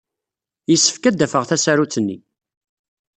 Yessefk ad d-afeɣ tasarut-nni.